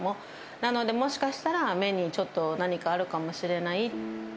なので、もしかしたら目にちょっと何かあるかもしれないって。